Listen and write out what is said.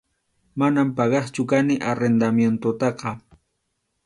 Manam pagaqchu kani arrendamientotaqa.